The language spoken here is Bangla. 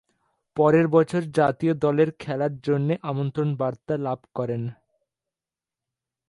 পরের বছর জাতীয় দলের খেলার জন্যে আমন্ত্রণ বার্তা লাভ করেন।